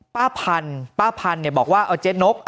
ป้าพันธุ์ป้าพันธุ์บอกว่าเอาเจ๊นก